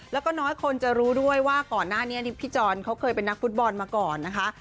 แล้วก็น้อยคนจะรู้ด้วยว่าก่อนหน้านี้พี่จรเขาเคยเป็นนักฟุตบอลมาก่อนนะคะ